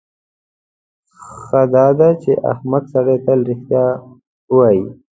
ښه داده چې احمق سړی تل رښتیا ووایي.